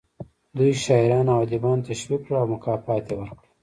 دوی شاعران او ادیبان تشویق کړل او مکافات یې ورکړل